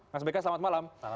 mas beka selamat malam